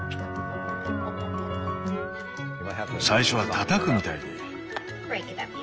最初はたたくみたいに。